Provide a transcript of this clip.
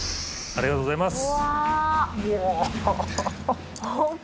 ありがとうございます！